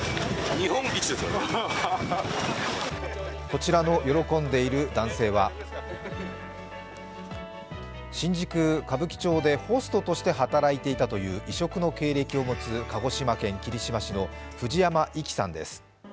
こちらの喜んでいる男性は新宿・歌舞伎町でホストとして働いていたという異色の経歴を持つ鹿児島県霧島市の藤山粋さんです。